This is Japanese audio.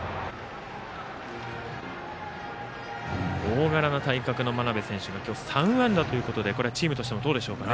大柄な体格の真鍋選手が今日、３安打ということでこれはチームとしてはどうでしょうね。